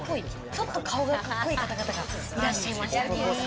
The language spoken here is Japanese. ちょっと顔がカッコいい方々がいらっしゃいました。